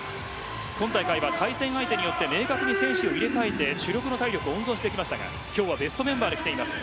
今大会は対戦相手によって明確に選手を入れ替えて主力の体力を温存してきましたが今日はベストメンバーできています。